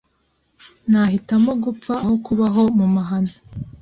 Nahitamo gupfa aho kubaho mu mahano.